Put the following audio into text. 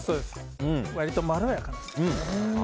割とまろやかですよね。